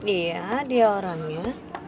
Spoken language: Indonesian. iya dia orangnya